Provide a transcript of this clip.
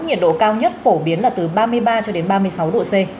nhiệt độ cao nhất phổ biến là từ ba mươi ba cho đến ba mươi sáu độ c